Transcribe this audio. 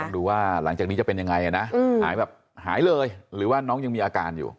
ดูว่าหลังจากนี้จะเป็นยังไงนะหายแบบหายเลยหรือว่าน้องยังมีอาการอยู่